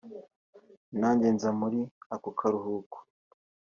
nanjye nza muri ako karuhuko